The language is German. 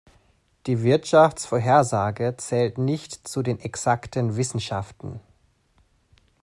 Die Wirtschaftsvorhersage zählt nicht zu den exakten Wissenschaften.